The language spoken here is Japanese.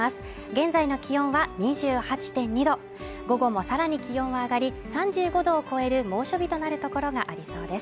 現在の気温は２８．２度午後もさらに気温が上がり、３５度を超える猛暑日となるところがありそうです。